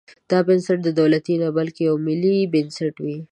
دا بنسټ دولتي نه بلکې یو ملي بنسټ وي.